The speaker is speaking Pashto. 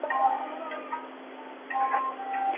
لارښود د مسودې پاڼې اړولې.